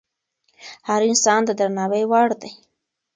هر انسان د درناوي وړ دی.